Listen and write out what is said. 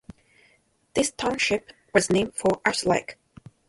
This township was named for Ash Lake.